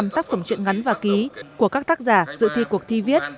năm trăm hai mươi năm tác phẩm truyện ngắn và ký của các tác giả dự thi cuộc thi viết